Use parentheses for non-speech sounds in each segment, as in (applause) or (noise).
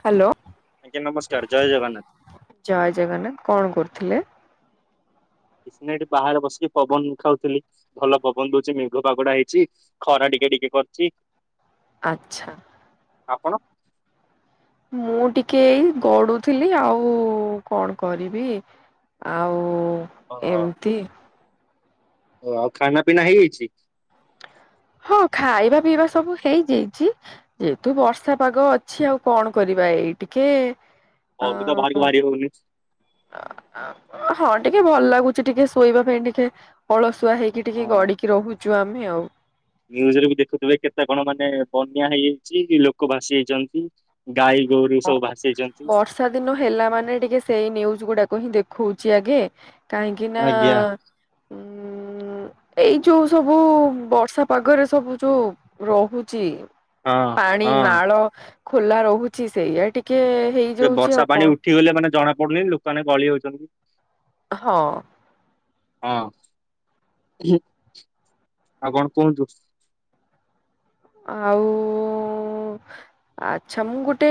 Hello. ଆଜ୍ଞା ନମସ୍କାର ଜୟ ଜଗନ୍ନାଥ। ଜୟ ଜଗନ୍ନାଥ କଣ କରୁଥିଲେ? ନା ଏଠି ବାହାରେ ବସିକି ପବନ ଖାଉଥିଲି। ଭଲ ପବନ ଦଉଛି ମେଘ ପାଗୁଡା ହେଇଛି ଖରା ଟିକେ ଟିକେ କରିଛି। ଆଚ୍ଛା। ଆପଣ? ମୁଁ ଟିକେଇ ଗଡୁଥିଲି ଆଉ କଣ କରିବି। ଆଉ ଏମତି। ଓ ଆଉ ଖାନା ପିନା ହେଇଯାଇଛି। ହଁ ଖାଇବା ପିଇବା ସବୁ ହେଇଯାଇଛି ଯେହେତୁ ବର୍ଷା ପାଗ ଅଛି ଆଉ କଣ କରିବା ଏଇ ଟିକେ ଅ ବି ତ ବାହାର କୁ ବାହାରି ହବନି। ହଁ ଟିକେ ଭଲ ଲାଗୁଛି ଟିକେ ଶୋଇବା ପାଇଁ ଟିକେ ଅଳସୁଆ ହେଇକି ଟିକେ ଗଡିକି ରହୁଛୁ ଆମେ ଆଉ ୁଜରେ ବି ଦେଖୁଥିବେ କେତେ କଣ ମାନେ ବନ୍ୟା ହେଇଯାଇଛି ଲୋକ ଭାସି ଯାଇଛନ୍ତି। ଗାଈ ଗୋରୁୀ ସବୁ ଭାସେଇଛନ୍ତି। ବର୍ଷା ଦିନ ହେଲା ମାନେ ଟିକେ ସେଇ ନିୁଜ ଗୁଡାକ ହିଁ ଦେଖଉଛି ଆଗେ କାହିଁକି ନା ଆଜ୍ଞା ଉ ହୁ ଏଇ ଯୋଉ ସବୁ ବର୍ଷା ପାଗରେ ସବୁ ଯୋଉ ରହୁଛି। ହଁ ପାଣି ହଁ। ନାଳ ଖୋଲା ରହୁଛି ସେଇଆ ଟିକେ ସେ ହେଇଯାଉଛି ଆଉ ବର୍ଷା ପାଣି କଣ ଉଠିଗଲେ ମାନେ ଜଣା ପଡୁନି ଲୋକମାନେ ଗଳି ହଉଛନ୍ତି। ହଁ। ହଁ ଆଉ କଣ କୁହନ୍ତୁ? ଆଉ ଆଚ୍ଛା ମୁଁ ଗୋଟେ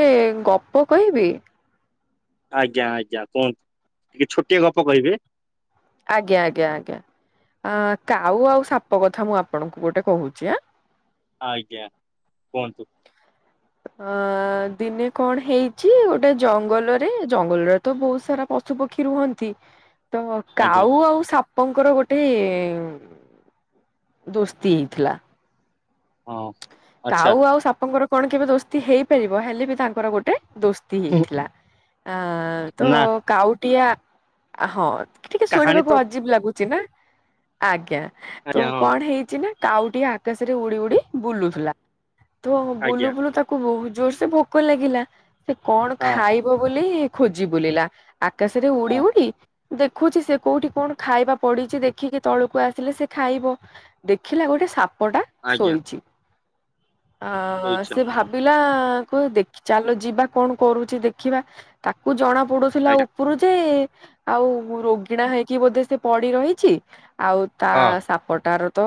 ଗପ କହିବି? ଆଜ୍ଞା ଆଜ୍ଞା କୁହନ୍ତୁ ଟିକେ ଛୋଟିଏ ଗପ କହିବେ। ଆଜ୍ଞା ଆଜ୍ଞା ଆଜ୍ଞା ଅ- କାଉ ଆଉ ସାପ କଥା ମୁଁ ଆପଣଙ୍କୁ ଗୋଟେ କହୁଛି ଆଁ। ଆଜ୍ଞା କୁହନ୍ତୁ। ଅ ଦିନେ କଣ ହେଇଛି ଗୋଟେ ଜଙ୍ଗଲରେ ଜଙ୍ଗଲରେ ତ ବହୁତ ସାରା ପଶୁ ପକ୍ଷୀ ରୁହନ୍ତି। ତ ଆଜ୍ଞା। କାଉ ଆଉ ସା ସାପଙ୍କର ଗୋଟେ-ଦୋସ୍ତି ହେଇଥିଲା। ହଁ। ଆଚ୍ଛା କାଉ ଆଉ ସାପଙ୍କର କଣ କେବେ ଦୋସ୍ତି ହେଇପାରିବ? ହେଲେ ବି ତାଙ୍କର ଗୋଟେ ଦୋସ୍ତି ହୁଁ, ହେଇଥିଲା। ଆ ତ ନା କାଉଟିଆ ହଁ ଟିକେ କାହାଣୀ ଶୁଣିବାକୁ ତ ଅଜିବ ଲାଗୁ ଚିନା? ଆଜ୍ଞା ତ ଆଜ୍ଞା ହଁ କଣ ହେଇଛି ନା କାଉଟିଏ ଆକାଶରେ ଉଡି ଉଡି ବୁଲୁଥିଲା। ତୁ ବୁଲୁ ଆଜ୍ଞା ବୁଲୁ ତାକୁ ବହୁତ ଜୋର ସେ ଭୋକ ଲାଗିଲା। ସେ କଣ ହଁ ଖାଇ ବ ବୋଲି ଖୋଜି ବୁଲିଲା। ଆକାଶରେ ଉଡି ହଁ ଉଡି ଦେଖୁଛି ସେ କୋଉଠି କଣ ଖାଇବା ପଡିଛି ଦେଖିକି ତଳକୁ ଆସିଲେ ସେ ଖାଇବ। ଦେଖିଲା ଗୋଟେ ସାପ ଟା ଆଜ୍ଞା ଶୋଇଚି। ଅ ଶୋଇଛ ସେ ଭାବ ପିଲା କୁଦେଖ ଚାଲ ଯିବା କଣ କରୁଛି ଦେଖିବା। ତାକୁ ଜଣା ପଡୁଥିଲା ଉ ଆଜ୍ଞା ଉପରୁ ଯେ ଆଉ ରୋଗିଣା ହେଇକି ବୋଧେ ସେ ପଡି ରହିଛି। ଆଉ ତା ହଁ ସାପଟାର ତ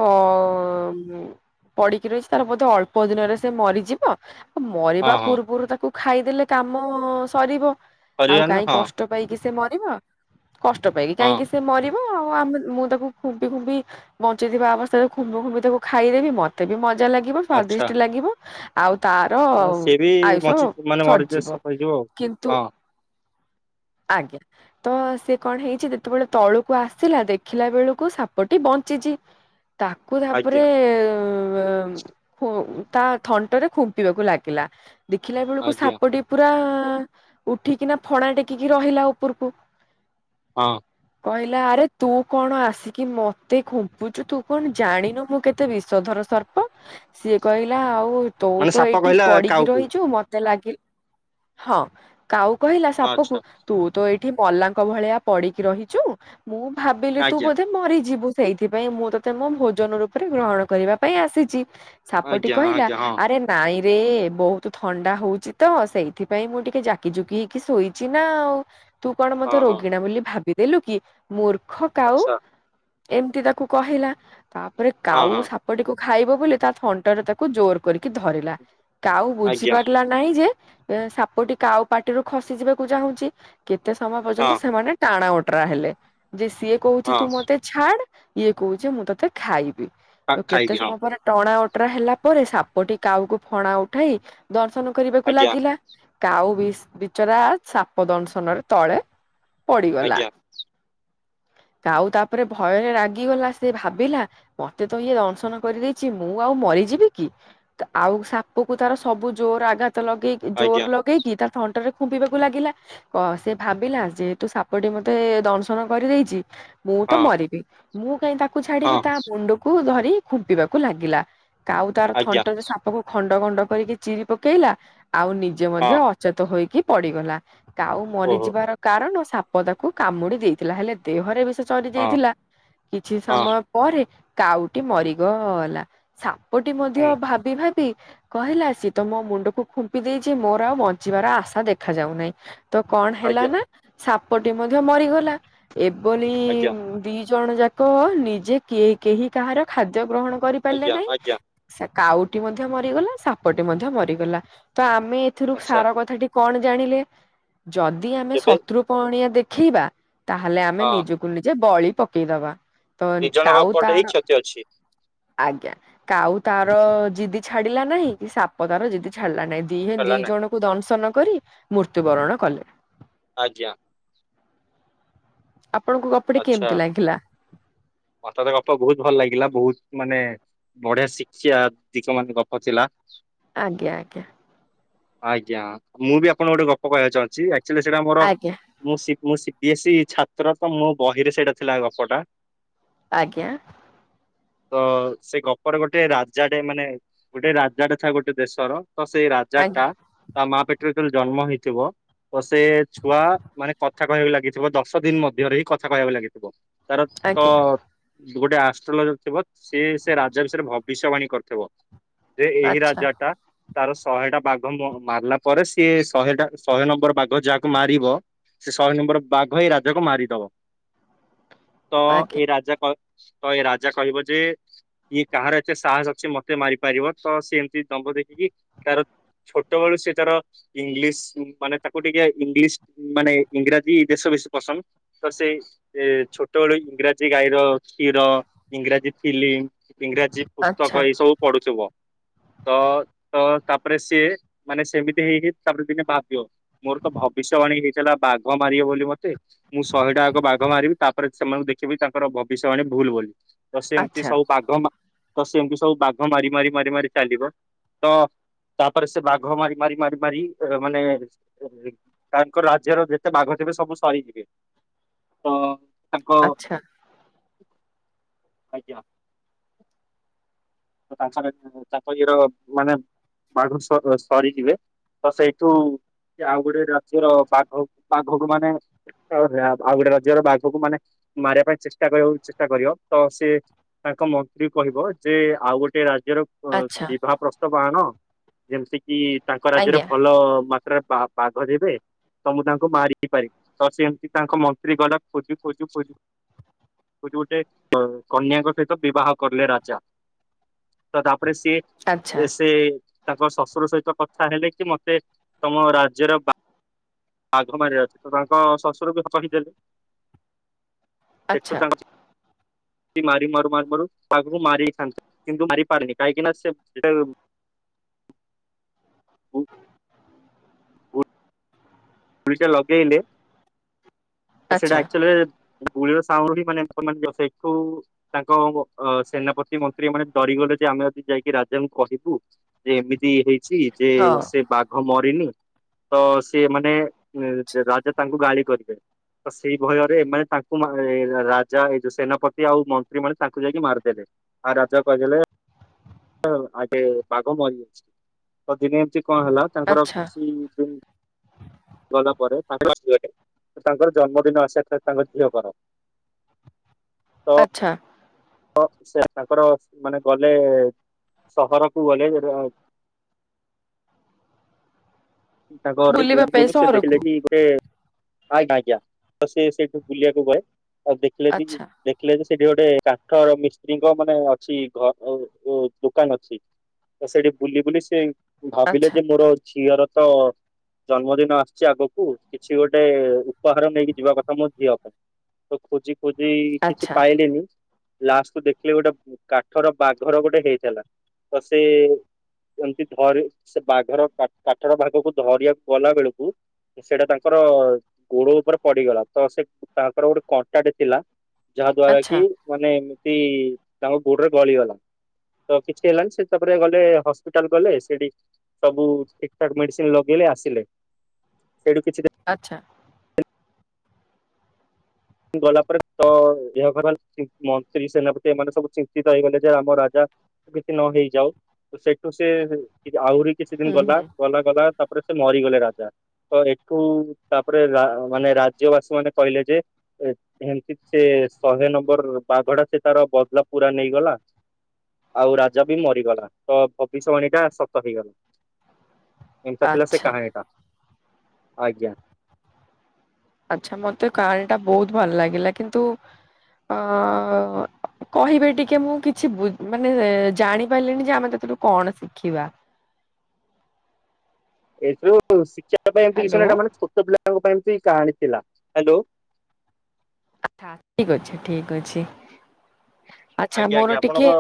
ପଡିକି ରହିଛି ତାର ବୋଧ ଅଳ ଅଳ୍ପ ଦିନରେ ସେ ମରିଯିବ, ଆଉ ମରିବା ହଁ ହଁ ପୂର୍ବରୁ ତାକୁ ଖାଇଦେଲେ କାମ ସରିବ। ଆଉ ହରିଗଲା କାହିଁ ହଁ କଷ୍ଟ ପାଇକି ସେ ମରିବ। କଷ୍ଟ ପାଇକି ହଁ କାହିଁକି ସେ ମରିବ ଆଉ। ଆମ ମୁଁ ତାକୁ ଖୁମ୍ପି ଖୁମ୍ପି ବଞ୍ଚେଥିବା ଅବସ୍ଥାରେ ଖୁମ୍ବି ଖୁମ୍ବି ତାକୁ ଖାଇଦେବି ମତେ ବି ମଜା ଲାଗିବ ଆଚ୍ଛା ସ୍ଵାଦିଷ୍ଟ ଲାଗିବ। ଆଉ ତାର ସିଏ ବି ଆୟୁଷ ବଞ୍ଚି ମାନେ ମରିଯିବ ସରିଯିବ। ସାପ ହେଇଯିବ କିନ୍ତୁ? ଆଉ ହଁ ଆଜ୍ଞା। ତ ସିଏ କଣ ହେଇଛି ଯେତେବେଳେ ତଳକୁ ଆସିଲା ଦେଖିଲା ବେଳକୁ ସାପଟି ବଞ୍ଚିଛି। ତା ତା କୁ ତାପରେ ଆଜ୍ଞା ଅ ଫୁ ତା ଥଣ୍ଟରେ ଖୁମ୍ପିବାକୁ ଲାଗିଲା। ଦେଖିଲା ବେଳକୁ ଆଜ୍ଞା ସାପଟି ପୁରା ଉଠିକିନା ଫଣା ଟେକିକି ରହିଲା ଉପରକୁ। ହଁ। କହିଲା ଆରେ ତୁ କଣ ଆସିକି ମତେ ଖୁମ୍ପୁଛୁ, ତୁ କଣ ଜାଣିନୁ ମୁଁ କେତେ ବିଷଧର ସର୍ପ ସିଏ କହିଲା ଆଉ ତୁ ମାନେ ତ ସାପ ଏଇଠି କହିଲା ପଡିକି କାଉକୁ ରହିଛୁ ମତେ ଲାଗିଲ ହଁ କାଉ କହିଲା। ହଁ, ପକୁ ଆଚ୍ଛା ତୁ ତ ଏଇଠି ମଲାଙ୍କ ଭଳିଆ ପଡିକି ରହିଛୁ। ମୁଁ ଭାବିଲି ତୁ ଆଜ୍ଞା ବୋଧେ ମରିଯିବୁ। ସେଇଥିପାଇଁ ମୁଁ ତତେ ମୋ ଭୋଜନ ରୂପରେ ଗ୍ରହଣ କରିବା ପାଇଁ ଆସିଚି। ସାପଟି ଆଜ୍ଞା କହିଲା ଆଜ୍ଞା ହଁ ଆରେ ନାଇଁ ରେ ବହୁତ ଥଣ୍ଡା ହଉଛି ତ, ସେଇଥିପାଇଁ ମୁଁ ଟିକେ ଜାକିଜୁକି ହେଇକି ଶୋଇ ଚିନା, ଆଉ ତୁ କଣ ହଁ ମତେ ହଁ ରୋଗିଣା ହଁ, ବୋଲି ଭାବିଦେଲୁ କି ମୂର୍ଖ କାଉ ଆଚ୍ଛା ଏମିତି ତାକୁ କହିଲା। ତାପରେ ହଁ କାଉ ହଁ ସାପ ସାପ ଟିକୁ ଖାଇବ ବୋଲି ତା ଥଣ୍ଟରେ ତାକୁ ଜୋର କରିକି ଧରିଲା। କାଉ ଆଜ୍ଞା ବୁଝିପାରିଲାନ ନାଇଁ ଯେ ଏ ସାପଟି କାଉ ପାଟିରୁ ଖସି ଯିବାକୁ ଚାହୁଁଛି। କେତେ ସମୟ ପର୍ଯ୍ୟନ୍ତ ହଁ ସେମାନେ ଟାଣ ଓଟରା ହେଲେ ଯେ ସିଏ କହୁଛି ତୁ ହଁ ମତେ ଛାଡ ଇଏ କହୁଛି ମୁଁ ତତେ ଖାଇବି। ଖା- ତ କେତେ ଖାଇବି ହଁ ସମୟ ପରେ ଟଣା ଅଟରା ହେଲା ପରେ ସାପଟି କାଉକୁ ଫଣା ଉଠାଇ ଦର୍ଶନ କରିବାକୁ ଆଜ୍ଞା ଲାଗିଲା। କାଉ ବିଚରା ସାପ ଦଂଶନରେ ତଳେ ପଡିଗଲା। ଆଜ୍ଞା କାଉ ତାପରେ ଭୟରେ ରାଗିଗଲା। ସେ ଭାବିଲା ମତେ ତ ଇଏ ଦଂଶନ କରିଦେଇଛି ମୁଁ ଆଉ ମରିଯିବି କି! ଆଉ ସାପ କ ତାର ସବୁ ଜୋର ଆଘାତ ଲଗେଇକି ଜୋର ଆଜ୍ଞା ଲଗେଇକି ତା ଥଣ୍ଟରେ ଖୁମ୍ପିବାକୁ ଲାଗିଲା କ ସେ ଭାବିଲା ଯେହେତୁ ସାପଟି ମତେ ଦଂଶନ କରିଦେଇଛି। ମୁଁ ତ ହଁ ମରିବି ମୁଁ କାଇହିଁ ତାକୁ ଛାଡିବି ହଁ ତା ମୁଣ୍ଡକୁ ଧରି ଖୁମ୍ପିବାକୁ ଲାଗିଲା। କାଉ ତାର ଆଜ୍ଞା ଥଣ୍ଟ ଯେ ସାପକୁ ଖଣ୍ଡ ଖଣ୍ଡ କରିକି ଚିରି ପକେଇଲା। ଆଉ ନିଜେ ମଧ୍ୟ ହଁ ଅଚେତ ହୋଇକି ପଡିଗଲା କାଉ ଓହୋ ମରିଯିବାର କାରଣ ସାପ ତାକୁ କାମୁଡି ଦେଇଥିଲା ହେଲେ ଦେହରେ ବି ସେ ଚରି ହଁ ଯାଇଥିଲା। କିଛି ସମୟ ପରେ କାଉଟି ମରିଗଲା। ସାପଟି ମଧ୍ୟ ହଁ ଭାବି, ଭାବି କହିଲା, ସିଏ ତ ମୋ ମୁଣ୍ଡକୁ ଖୁମ୍ପି ଦେଇଛି ମୋର ଆଉ ବଞ୍ଚିବାର ଆଶା ଦେଖା ଯାଉନାହିଁ। ତ କଣ ହେଲା ଆଜ୍ଞା ନା ସାପଟି ମଧ୍ୟ ମରିଗଲା। ଏପଲି ଆଜ୍ଞା ଦି ଜଣ ଯାକ ନିଜେ କିଏ କେହି କାହାର ଖାଦ୍ୟ ଗ୍ରହଣ କରିପାରିଲେ ଆଜ୍ଞା ନାଇଁ। ଆଜ୍ଞା ସେ କାଉଟି ମଧ୍ୟ ମରିଗଲା ସାପଟି ମଧ୍ୟ ମରିଗଲା। ତ ଆମେ ଏଥିରୁ ଆଚ୍ଛା ସାର କଥାଟି କଣ ଜାଣିଲେ ଯଦି ଆମେ କେବେ ଶତ୍ରୁ ପଣିଆ ଦେଖେଇବା ତାହେଲେ ଆମେ ହଁ ନିଜକୁ ନିଜେ ବଳି ପକେଇଦବା। ତ ଦି ଜଣଙ୍କ କାଉ ପଟେ ହିଁ ତାର କ୍ଷତି ଅଛି ଆଜ୍ଞା, କାଉ ତାର ଜିଦି ଛାଡିଲା ନାହିଁ କି ସାପ ପଦାର ଯଦି ଛାଡିଲା ନାହିଁ ଦି ହେଲା ଦି ନା ଜଣଙ୍କୁ ଦଂଶନ କରି ମୃତ୍ୟୁ ବରଣ କଲେ। ଆଜ୍ଞା। ଆପଣଙ୍କୁ ଗପଟି ଆଚ୍ଛା କେମିତି ଲାଗିଲା? ମତେ ଗପ ବହୁତ ଭଲ ଲାଗିଲା। ବହୁତ ମାନେ ବଢିଆ ଶିକ୍ଷା ଦିଗ ମାନ ଗପ ଥିଲା। ଆଜ୍ଞା, ଆଜ୍ଞା। ଆଜ୍ଞା, ମୁଁ ବି ଆପଣଙ୍କୁ ଗୋଟେ ଗପ କହିବାକୁ ଚାହୁଁଛି ଆକଚୁଆଲି ସେଇଟା ଆମର ଆଜ୍ଞା ମୁଁ ମୁଁ ସିବ ବିି ଏସ୍ଇ ଛାତ୍ର ତ ମୋ ବହିରେ ସେଇଟା ଥିଲା ଗପଟା। ଆଜ୍ଞା‌। ତ ସେ ଗପର ଗୋଟେ ରାଜାଟେ ମାନେ ଗୋଟେ ରାଜାଟେ ଥାଏ ଗୋଟେ ଦେଶର, ତ ସେଇ ହଜାର ଟା ତା ମା ପେଠରେ ଯେତେବେଳେ ଜନ୍ମ ହେଇଥିବ। ଓ ସେ ଛୁଆ ମାନେ କଥା କହିବାକୁ ଲାଗିଥିବ ଦଶ ଦିନ ମଧ୍ୟରେ ହିଁ। କଥା କହିବାକୁ ଲାଗିଥିବ। ତାର ତ ଆଜ୍ଞା ଗୋଟେ ଆଷ୍ଟ୍ରୋଲୋଜର ଥିବ ସେ ସେ ରାଜା ବିଷୟରେ ଭବିଷ୍ୟବାଣୀ କରିଥିବ। ଯେ ଏହି ଆଜ୍ଞା ରାଜା ଟା ତାର ଶହେଟା ବାଘ ମାରିଲା ପରେ ସିଏ ଶହେଟା ଶହେ ନମ୍ବର ବାଘ ଯାହାକୁ ମାରିବ ସେ ଶହେ ନମ୍ବର ବାଘ ହେଇ ରାଜାକୁ ମାରିଦବ। ତ ଆଚ୍ଛା ଏ ରାଜା ତ ଏ ରାଜା କହିବ ଯେ ଇଏ କାହାର ଏତେ ସାହସ ଅଛି ମତେ ମାରିପାରିବ ତ ସେ ଏମିତି ଦମ୍ଭ ଦେଖିଇକି ତାର ଛୋଟବେଳୁ ସେ ତାର ଇଂଲିଶ ମାନେ ତାକୁ ଟିକେ ଇଂଲିଶ ମାନେ ଇଂରାଜୀ ଦେଶ ବେଶୀ ପସନ୍ଦ। ତ ସେ ଛୋଟବେେଳୁ ଇଂରାଜୀ ଗାଈର କ୍ଷୀର, ଇଂରାଜୀ ଫିଲ୍ମ। ଇଂରାଜୀ ଆଜ୍ଞା ଆଚ୍ଛା ପୁସ୍ତକ ଏଇ ସବୁ ପଢୁଥିବ। ତ ତ ତାପରେ ସିଏ ମାନେ ସେମିତି ହେଇକି ତାପରେ ଦିନେ ଭାବିବ। ମୋର ତ ଭବିଷ୍ୟବାଣୀ ହେଇଥିଲା ବାଘ ମାରିବ ବୋଲି ମତେ ମୁଁ ଶହେଟା ଆଗ ବାଘ ମାରିବି ତାପରେ ସେମାନଙ୍କୁ ଦେଖିବି ତାଙ୍କର ଭବିଷ୍ୟବାଣୀ ଭୁଲ ବୋଲି। ତ ସେ ଏମିତି ଆଚ୍ଛା ସବୁ ବାଘ ତ ସେମିତି ସବୁ ବାଘ ମାରି ମାରି ମାରି ମାରି ଚାଲିବ। ତ ତାପରେ ସେ ବାଘ ମାରି ମାରି ମାରି ମାରି ମାନେ ତାଙ୍କ ରାଜ୍ୟର ଯେତେ ବାଘ ଥିବେ ସବୁ ସରିଯିବେ। ତ ତାଙ୍କ ଆଚ୍ଛା। ଆଜ୍ଞା। ତାପରେ ତାପ ର ମାନେ ମାଠୁ ସରିଯିବେ (unintelligible) ତ ସେଇଠୁ ଆଉ ଗୋଟେ ରାଜ୍ୟର ବାଘ ବାଘକୁ ମାନେ ଆଉ ଗୋଟେ ରାଜ୍ୟର ବାଘକୁ ମାନେ ମାରିବା ପାଇଁ ଚେଷ୍ଟା କରିବା ଚେଷ୍ଟା କରିବ ତ ସେ ତାଙ୍କ ମନ୍ତ୍ରୀ କହିବ ଯେ ଆଉ ଗୋଟେ ରାଜ୍ୟର ଆଚ୍ଛା ବିବାହ ପ୍ରସ୍ତାବ ଆଣ ଯେମିତି କି ତାଙ୍କ ରାଜ୍ୟରେ ଆଜ୍ଞା ଭଲ ମାତ୍ରାରେ ବା ବାଘ ଦେବେ। ତ ମୁଁ ତାଙ୍କୁ ମାରି ପାରିବି ତ ସେମିତି ତାଙ୍କ ମନ୍ତ୍ରୀ ଗଲା ଖୋଜୁ ଖୋଜୁ ଖୋଜୁ କଉଠି ଗୋଟେ କ କନ୍ୟାଙ୍କ ସହିତ ବିବାହ କରିଲେ ରାଜା। ତ ତାପରେ ଆଚ୍ଛା ସିଏ ସେ ତାଙ୍କ ଶଶୁର ସହିତ କଥା ହେଲେ କି ମତେ ତମ ରାଜ୍ୟର ବାଘ ମାରି ଅଛି ତ ତାଙ୍କ ଶ୍ୱଶୁର ବି କହିଦେଲେ। ସେଠୁ ଆଚ୍ଛା ଚାଛି (unintelligible) ମାରି ମାରୁ ମାରି ମାରୁ ପାଖରୁ ମାରିଥାନ୍ତା କିନ୍ତୁ ମାରି ପାରନି କାହିଁକିନା ସେ ଲଗେଇଲେ ତ ଆଚ୍ଛା ସେଟାଚୁ (unintelligible) ଗୁଳିର ସାଉଣ୍ଡ ବି ମାନେ ତାଙ୍କ ଅ ସେନାପତି ମନ୍ତ୍ରୀ ମାନେ ଡରିଗଲେ ଯେ ଆମେ ଯଦି ଯାଇକି ରାଜାଙ୍କୁ କହିବୁ। ଯେ ଏମିତି ହେଇଛି ଯେ ହଁ ସେ ବାଘ ମରିନି ତ ସେ ମାନେ ରାଜା ତାଙ୍କୁ ଗାଳି କରିବେ। ତ ସେଇ ଭୟରେ ଏମାନେ ତାଙ୍କୁ ରାଜା ଏଇ ଯୋଉ ସେନାପତି ଆଉ ମନ୍ତ୍ରୀ ମାନେ ତାଙ୍କୁ ଯାଇକି ମାରିଦେଲେ। ଆଉ ରାଜା କହିଥିଲେ। ଆଗେ ବାଘ ମରିଯାଇଛି ତ ଦିନେ ଏମିତି କଣ ହେଲା ତାଙ୍କର ଆଚ୍ଛା କିଛି ଯୋ ଗଲା ପରେ ତାଙ୍କ ତାଙ୍କର ଜନ୍ମଦିନ ଆସିଲା ତାଙ୍କ ଝିଅଙ୍କର। ଆଚ୍ଛା। ତ ସେ ତାଙ୍କର ମାନେ ଗଲେ ସହରକୁୁ ଗଲେ ତା ଘ ବୁଲିବା ବୁଲ ପାଇଁ ବୁଲ ସେ ଦେଖିଲେ ସହରକୁ କି (unintelligible) ସେ ଆଜ୍ଞା ତ ସେ ସେଇଠୁ ବୁଲିବାକୁ ଗଲେ ଆଉ ଦେଖିଲେ କି ଯେ ଆଚ୍ଛା ଦେଖିଲେ ଯେ ସେଠି ଗୋଟେ କାଠ ମିସ୍ତ୍ରୀଙ୍କ ମାନେ ଅଛି ଘ ଦୋକାନ ଅଛି। ତ ସେଇଠି ବୁଲି ବୁଲି ସେ ଭାବିଲେ ଆଚ୍ଛା ଯେ ମୋର ଝିଅର ତ ଜନ୍ମଦିନ ଆସୁଛି ଆଗକୁ କିଛି ଗୋଟେ ଉପହାର ନେଇକି ଯିବା କଥା ମୋ ଝିଅ ପାଇଁ। ତ ଖୋଜି ଖୋଜି କିଛି ଆଚ୍ଛା ପାଇଲିନି। ଲାଷ୍ଟ କୁ ଦେଖିଲେ ଗୋଟେ କାଠର ବାଘର ଗୋଟେ ହେଇଥିଲା ତ ସେ ଏମିତି ଧରି ସେ ବାଘର କାଠର ବାଘକୁ ଧରିବାକୁ ଗଲା ବେଳକୁ ସେଇଟା ତାଙ୍କର ଗୋଡ ଉପରେ ପଡିଗଲା ତ ସେ ତାଙ୍କର ଗୋଟେ କଣ୍ଟାଟେ ଥିଲା। ଯାହା ଦ୍ଵାରା ଆଚ୍ଛା କି ମାନେ ଏମିତି ତାଙ୍କ ଗୋଡରେ ଗଳି ଗଲା। ତ କିଛି ହେଲାନି ସେ ତାପରେ ଗଲେ ହସ୍ପିଟାଲ ଗଲେ ସେଠି ସବୁ ଠିକ ତାକୁ ମେଡିସିନ ଲଗେଇ ଆସିଲେ ସେଠୁ କିଛି ଆଚ୍ଛା। ଗଲା ପରେ ତ ଏହା ମନ୍ତ୍ରୀ ସେନାପତି ଏମାନେ ସବୁ ଚିନ୍ତିତ ହେଇଗଲେ ଯେ ଆମ ରାଜା କିଛି ନ ହେଇଯାଉ ତ ସେଇଠୁ ସେ ଆହୁରି କିଛି ଦିନ ହୁଁ ଗଲା ହୁଁ ଗଲା ଗଲା ତା ତାପରେ ସେ ମରିଗଲେ ରାଜା ତ ଏଠୁ ତାପରେ ମାନେ ରାଜ୍ୟ ବାସୀ ମାନେ କହିଲେ ଯେ ଏମିତି ସେ ଶହେ ନମ୍ବର ବାଘଟା ସେ ତାର ବଦଳା ପୁରା ନେଇଗଲା। ଆଉ ରାଜା ବି ମରିଗଲା ତ ଭବିଷ୍ୟବାଣୀ ଟା ସତ ହେଇଗଲା। ଏନ୍ତା ଥିଲା ସେ ଆଚ୍ଛା କାହାଣୀଟା ଆଜ୍ଞା। ଆଛା ମତେ କାହାଣୀ ଟା ବହୁତ ଭଲ ଲାଗିଲା କିନ୍ତୁ ଅ କହିବେ ଟିକେ ମୁଁ କିଛି ମାନେ ଜାଣିପାରିଲିଣିି ଯେ ଆମେ ସେଥିରୁ କଣ ଶିଖିବା। ଏଥିରୁ ଶିକ୍ଷା ପାଇଁ ଏମିତି କିଛି ହ୍ୟାଲୋ ନାହିଁ ମାନେ ଛୋଟ ପିଲାଙ୍କ ପାଇଁ ଏମିତି କାହାଣୀ ଥିଲା ହ୍ୟାଲୋ। ଠିକ ଅଛି ଠିକ ଅଛି ଆଚ୍ଛା ଆଜ୍ଞା ମୋର ଆଜ୍ଞା ଆପଣଙ୍କ ଟିକେ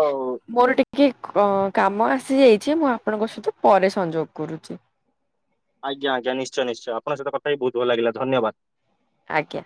ମୋର ଟିକେ ଟିକେ ଅ କାମ ଆସିଯାଇଛି ମୁଁ ଆପଣଙ୍କ ସହିତ ପରେ ସଂଯୋଗ କରୁଛି। ଆଜ୍ଞା ଆଜ୍ଞ ନିଶ୍ଚୟ ନିଶ୍ଚୟ ଆପଣଙ୍କ ସହିତ କଥା ହେଇ ବହୁତ ଭଲ ଲାଗିଲା ଧନ୍ୟବାଦ। ଆଜ୍ଞା।